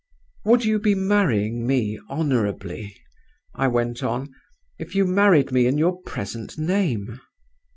"'Would you be marrying me honorably,' I went on, 'if you married me in your present name?